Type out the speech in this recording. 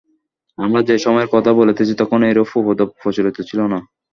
আমরা যে সময়ের কথা বলিতেছি তখন এরূপ উপদ্রব প্রচলিত ছিল না।